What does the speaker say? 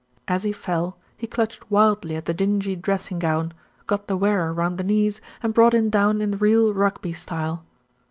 As he fell he clutched wildly at the dingy dressing gown, got the wearer round the knees, and brought him down in real Rugby style.